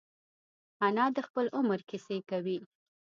انا د خپل عمر کیسې کوي